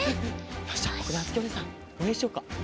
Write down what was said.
よしじゃあここであづきおねえさんおうえんしよっか。